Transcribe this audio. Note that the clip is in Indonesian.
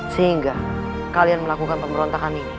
sehingga kalian melakukan pemberontakan ini